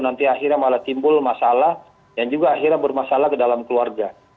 nanti akhirnya malah timbul masalah yang juga akhirnya bermasalah ke dalam keluarga